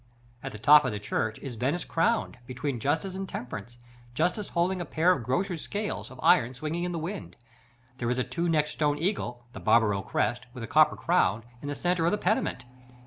At the top of the church is Venice crowned, between Justice and Temperance, Justice holding a pair of grocer's scales, of iron, swinging in the wind. There is a two necked stone eagle (the Barbaro crest), with a copper crown, in the centre of the pediment.